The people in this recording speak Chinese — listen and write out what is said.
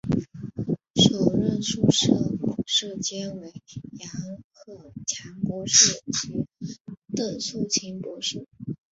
首任宿舍舍监为杨鹤强博士及邓素琴博士。